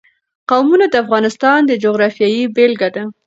قومونه د افغانستان د جغرافیې بېلګه ده.